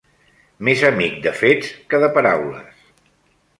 Més amic de fets que de paraules.